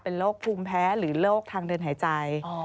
เป็นโรคภูมิแพ้หรือโรคทางเดินหายใจ